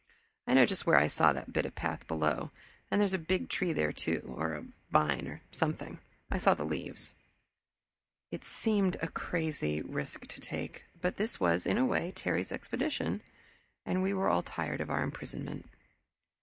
I know just where I saw that bit of path below, and there's a big tree there, too, or a vine or something I saw the leaves." It seemed a crazy risk to take, but this was, in a way, Terry's expedition, and we were all tired of our imprisonment.